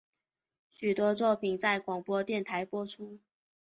许多作品在广播电台播出。